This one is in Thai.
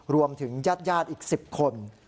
รวมถึงญาติอีก๑๐คน